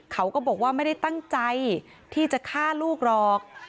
เขาก็บอกว่าไม่ได้ตั้งใจที่จะฆ่าลูกหรอก